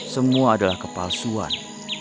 semua adalah kepalsuan